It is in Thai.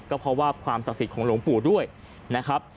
ก็เพราะว่าความศักดิ์สิทธิ์ของหลวงปู่ด้วยนะครับ